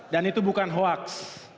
dan itu bukan hoaks